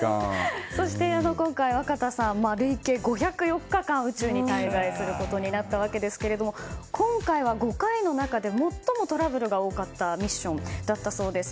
そして今回、若田さん累計５０４日間宇宙に滞在することになったわけですが今回は５回の中で最もトラブルが多かったミッションだったそうです。